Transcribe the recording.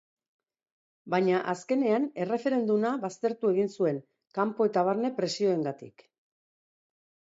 Baina azkenean erreferenduma baztertu egin zuen, kanpo eta barne presioengatik.